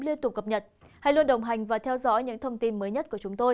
liên tục cập nhật hãy luôn đồng hành và theo dõi những thông tin mới nhất của chúng tôi